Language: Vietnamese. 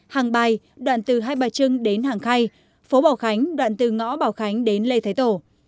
hàng bài đoạn từ hai bà trưng đến hàng khay phố bảo khánh đoạn từ ngõ bảo khánh đến lê thái tổ